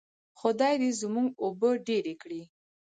خدای دې زموږ اوبه ډیرې کړي.